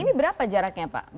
ini berapa jaraknya pak